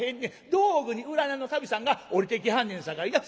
道具に占いの神さんが降りてきはんねんさかいな。